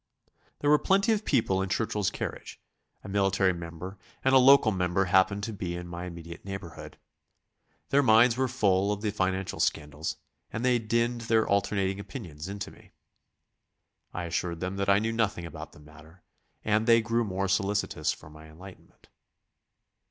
There were plenty of people in Churchill's carriage; a military member and a local member happened to be in my immediate neighbourhood. Their minds were full of the financial scandals, and they dinned their alternating opinions into me. I assured them that I knew nothing about the matter, and they grew more solicitous for my enlightenment.